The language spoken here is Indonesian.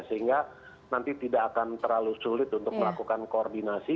sehingga nanti tidak akan terlalu sulit untuk melakukan koordinasi